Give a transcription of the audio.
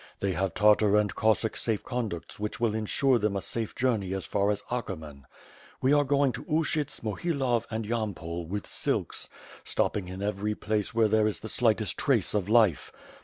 They have Tartar and Cossack safe conducts which will insure them a safe journey as far as Akerman. We are going to TJshyts, Mohilov, and Yampol, with silks, stopping in every place where there is the slightest trace of life.